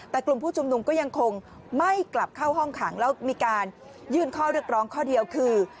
แต่กลุ่มผู้ชุมนุมก็ยังคงไม่กลับเข้าห้องขังแล้วมีการยื่นข้อเรียกร้องข้อเดียวคือ